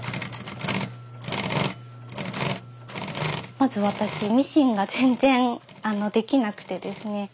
まず私ミシンが全然できなくてですね